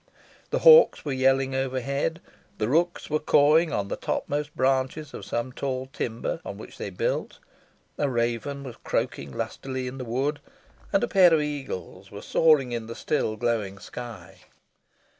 The hawks were yelling overhead; the rooks were cawing on the topmost branches of some tall timber, on which they built; a raven was croaking lustily in the wood; and a pair of eagles were soaring in the still glowing sky.